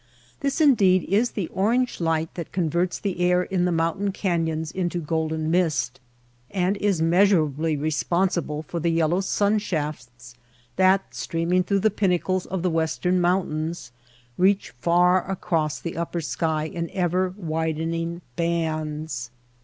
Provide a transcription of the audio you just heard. This indeed is the orange light that converts the air in the moun tain canyons into golden mist, and is measur ably responsible for the yellow sunshafts that, streaming through the pinnacles of the western mountains, reach far across the upper sky in ever widening bands.